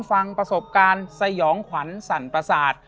ฟังนะเลยขวัญสั่นประสาท